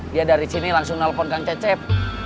dia dari sini langsung nelfon kang cecep